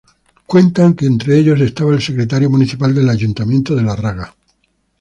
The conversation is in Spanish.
Cuentan que entre ellos estaba el secretario municipal del ayuntamiento de Larraga.